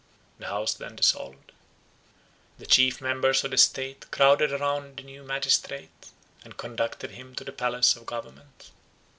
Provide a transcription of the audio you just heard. The house then dissolved. The chief members of the state crowded round the new magistrate, and conducted him to the palace of government.